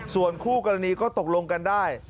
ส่วนคู่กรณีก็ตกลงกันได้